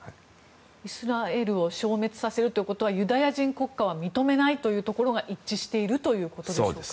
イスラエルを消滅させるということはユダヤ人国家は認めないというところが一致しているということでしょうか？